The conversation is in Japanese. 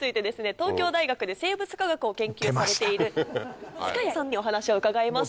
東京大学で生物科学を研究されている塚谷さんにお話を伺いました。